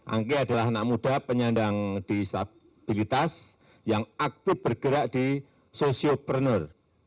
angki adalah anak muda penyandang disabilitas yang aktif bergerak di sosio preneur